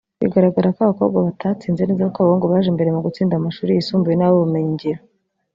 Bigaragara ko abakobwa batatsinze neza kuko abahungu baje imbere mu gutsinda mu mashuri yisumbuye n’ay’ubumenyingiro